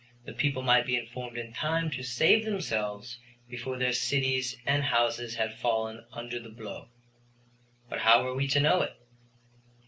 The people might be informed in time to save themselves before their cities and houses had fallen under the blow." But how were we to know it?